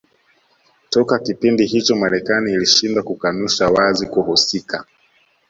Toka kipindi hicho Marekani ilishindwa kukanusha wazi kuhusika